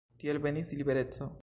Tiel venis libereco.